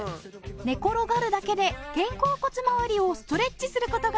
寝転がるだけで肩甲骨まわりをストレッチする事ができるんです。